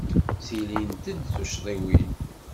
Ttilint-d tuccḍiwin.